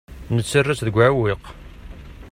Nettarra-tt deg uɛewwiq.